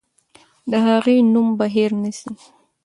د هغې نوم به هېر نه سي.